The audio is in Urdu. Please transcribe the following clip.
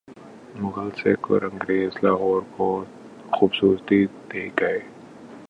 مغل، سکھ اور انگریز لاہور کو خوبصورتی دے گئے۔